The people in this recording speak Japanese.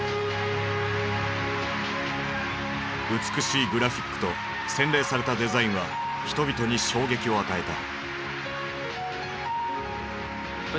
美しいグラフィックと洗練されたデザインは人々に衝撃を与えた。